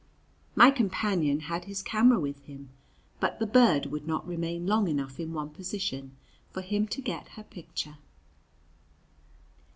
My companion had his camera with him, but the bird would not remain long enough in one position for him to get her picture.